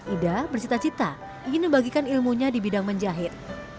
ida bercita cita ingin membagikan ilmunya di bidang menjahit